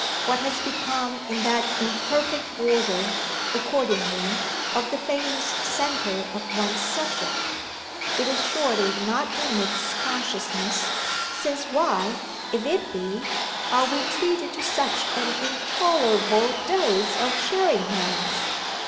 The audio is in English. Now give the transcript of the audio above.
What has become in that imperfect order, accordingly, of the famous centre of one's subject? It is surely not in Nick's consciousness since why, if it be, are we treated to such an intolerable dose of Sherringham's?